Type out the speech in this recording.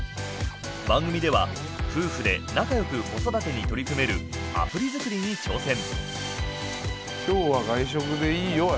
番組では夫婦で仲よく子育てに取り組めるアプリ作りに挑戦。